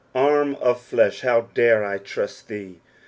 Arm of flesh, how dare I trust thee?